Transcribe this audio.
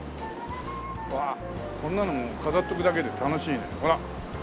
わあこんなのも飾っておくだけで楽しいねほら。